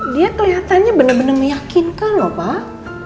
dia keliatannya bener bener meyakinkan loh pak